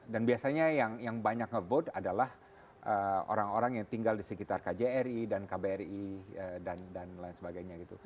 dan biasanya yang banyak nge vote adalah orang orang yang tinggal di sekitar kjri dan kbri dan lain sebagainya gitu